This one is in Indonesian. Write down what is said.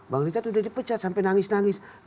bang richard sudah dipecat sampai nangis nangis